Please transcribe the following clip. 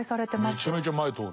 めちゃめちゃ前通る。